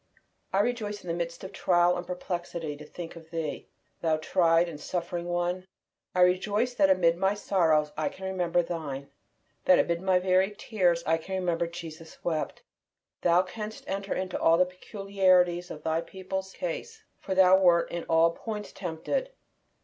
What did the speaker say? I rejoice in the midst of trial and perplexity to think of Thee, Thou tried and suffering One. I rejoice that amid my sorrows I can remember Thine, that amid my very tears, I can remember Jesus wept. Thou canst enter into all the peculiarities of Thy people's case, for Thou wert in "all points tempted."